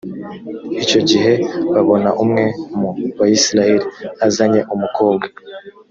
icyo gihe babona umwe mu bayisraheli azanye umukobwa.